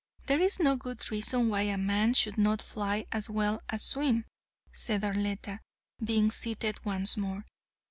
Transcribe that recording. "There is no good reason why a man should not fly as well as swim," said Arletta, being seated once more.